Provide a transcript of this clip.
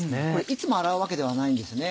いつも洗うわけではないんですよね。